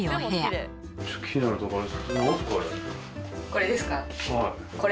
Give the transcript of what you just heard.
これですか？